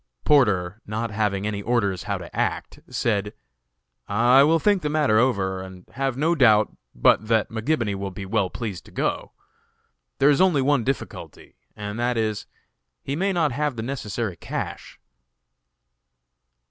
Porter, not having any orders how to act, said: "I will think the matter over, and have no doubt but that McGibony will be well pleased to go. There is only one difficulty, and that is, he may not have the necessary cash."